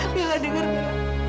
mila dengar mila